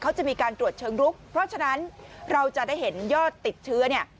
เขาจะมีการตรวจเชิงลุกเพราะฉะนั้นเราจะได้เห็นยอดติดเชื้อเนี่ย